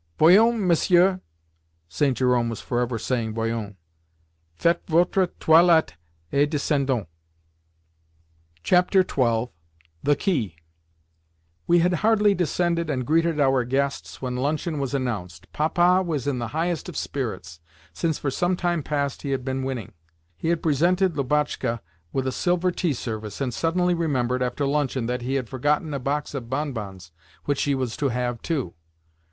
"Voyons, Messieurs!" (St. Jerome was forever saying "Voyons!") "Faites votre toilette, et descendons." XII. THE KEY We had hardly descended and greeted our guests when luncheon was announced. Papa was in the highest of spirits since for some time past he had been winning. He had presented Lubotshka with a silver tea service, and suddenly remembered, after luncheon, that he had forgotten a box of bonbons which she was to have too.